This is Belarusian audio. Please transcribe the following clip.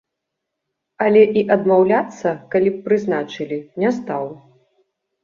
Але і адмаўляцца, калі б прызначылі, не стаў.